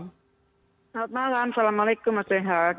selamat malam assalamualaikum mas rehat